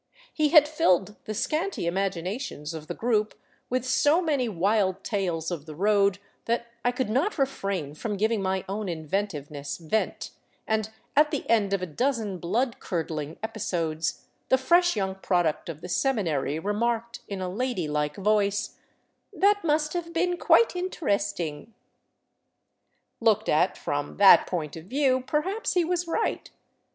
He had filled the scanty imaginations of the group with so many wild tales of the road that I could not refrain from giving my own inventiveness vent, and at the end of a dozen bloodcurdling episodes the fresh young product of the seminary re marked in a ladylike voice, '' That must have been quite interesting." Looked at from that point of view, perhaps he was right.